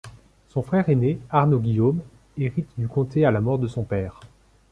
Son frère aîné, Arnaud-Guillaume, hérite du comté à la mort de son père.